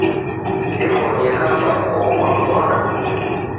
Simw'onie kafwani, oho kwamw'ona?